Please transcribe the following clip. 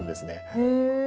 へえ。